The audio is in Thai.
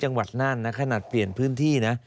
นั่นนะขนาดเปลี่ยนพื้นที่นะ